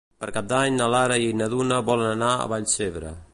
Per Cap d'Any na Lara i na Duna volen anar a Vallcebre.